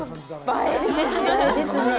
映えですね。